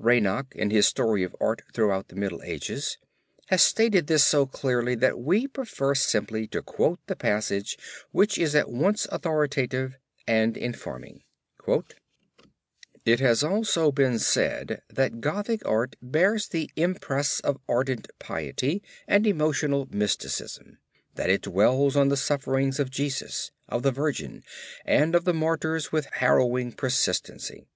Reinach (in his Story of Art Throughout the Middle Ages) has stated this so clearly that we prefer simply to quote the passage which is at once authoritative and informing: "It has also been said that Gothic art bears the impress of ardent piety and emotional mysticism, that it dwells on the suffering of Jesus, of the Virgin, and of the martyrs with harrowing persistency.